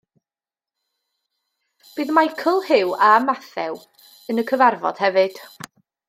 Bydd Michael, Hugh a Matthew yn y cyfarfod hefyd.